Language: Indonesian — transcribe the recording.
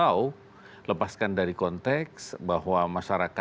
atau lepaskan dari konteks bahwa ini adalah konteks yang tidak terbatas